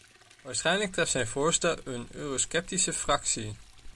Waarschijnlijk treft zijn voorstel een eurosceptische fractie.